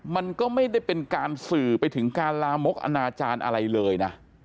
มันก็ไม่ได้เป็นการสื่อไปถึงการลามกอนาจารย์อะไรเลยนะ